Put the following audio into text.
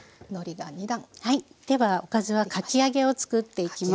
ではおかずはかき揚げをつくっていきます。